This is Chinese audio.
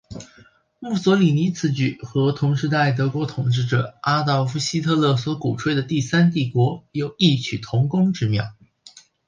墨索里尼此举和同时代德国统治者阿道夫希特勒所鼓吹的第三帝国有异曲同工之妙。